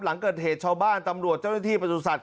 หลังเกิดเหตุชาวบ้านตำรวจเจ้าหน้าที่ประจุศัตว